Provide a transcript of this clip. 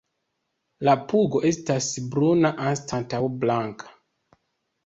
La pugo estas bruna anstataŭ blanka.